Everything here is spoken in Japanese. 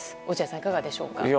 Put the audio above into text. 落合さん、いかがでしょうか？